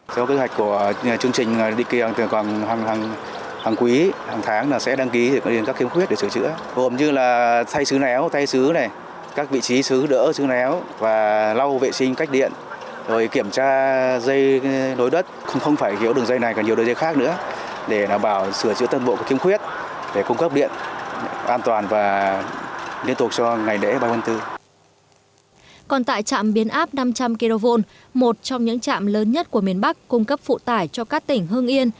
còn tại trạm biến áp năm trăm linh kv một trong những trạm lớn nhất của miền bắc cung cấp phụ tải cho các tỉnh hương yên